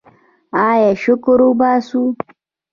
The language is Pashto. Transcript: آیا شکر وباسو؟